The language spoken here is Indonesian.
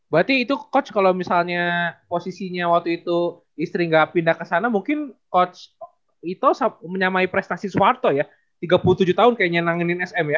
berarti itu coach kalau misalnya posisinya waktu itu istri gak pindah ke sana mungkin coach ito menyamai prestasi soeharto ya tiga puluh tujuh tahun kayaknya nangin sm ya